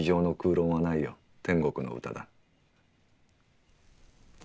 天国の歌だ。